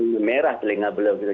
oke langsung merah telinga beliau gitu